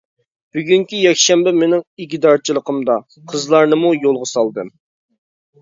بۈگۈنكى يەكشەنبە مېنىڭ ئىگىدارچىلىقىمدا، قىزلارنىمۇ يولغا سالدىم.